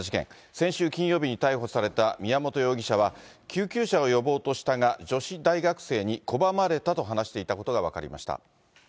先週金曜日に逮捕された宮本容疑者は、救急車を呼ぼうとしたが、女子大学生に拒まれたと話していたことが分かりました。